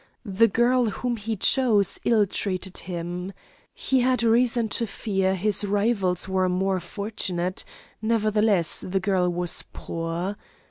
The girl whom he chose ill treated him; he had reason to fear his rivals were more fortunate; nevertheless the girl was poor.